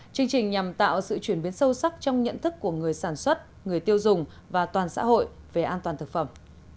chương trình nhằm tạo sự chuyển biến sâu sắc trong nhận thức của người sản xuất người tiêu dùng và toàn xã hội về an toàn thực phẩm